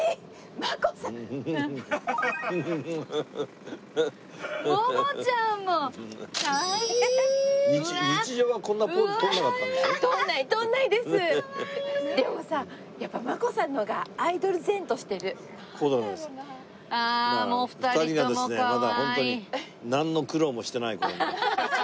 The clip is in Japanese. まだホントになんの苦労もしてない頃の。